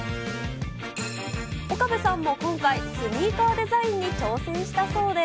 岡部さんも今回、スニーカーデザインに挑戦したそうで。